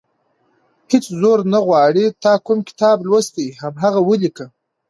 هېڅ زور نه غواړي تا کوم کتاب لوستی، هماغه ولیکه.